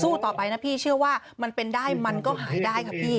ต่อไปนะพี่เชื่อว่ามันเป็นได้มันก็หายได้ค่ะพี่